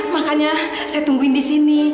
makanya saya tungguin disini